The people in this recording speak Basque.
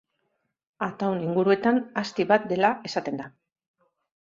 Ataun inguruetan azti bat dela esaten da.